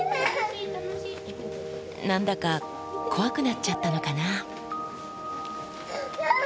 なんだか怖くなっちゃったのかな。